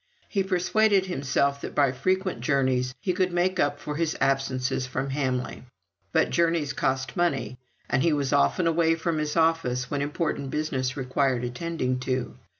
He persuaded himself that by frequent journeys he could make up for his absences from Hamley. But journeys cost money; and he was often away from his office when important business required attending to.